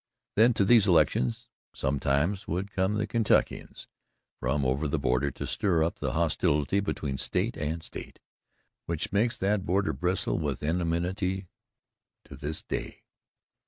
Then to these elections sometimes would come the Kentuckians from over the border to stir up the hostility between state and state, which makes that border bristle with enmity to this day.